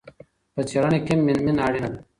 په څېړنه کي هم مینه اړینه ده.